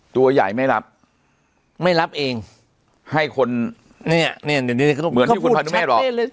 ตัวใหญ่ไม่รับไม่รับเองให้คนเนี่ยเนี่ยเขาพูดชัดเป้เลย